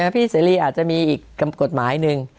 พี่เสรีอาจจะมีอีกกฎหมายหนึ่ง